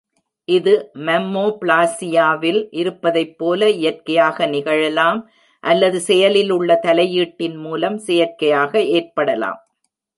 இது மம்மோபிளாஸியாவில் இருப்பதைப்போல இயற்கையாக நிகழலாம் அல்லது செயலில் உள்ள தலையீட்டின்மூலம் செயற்கையாக ஏற்படலாம்.